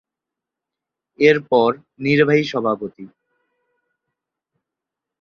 এর পর নির্বাহী সভাপতি।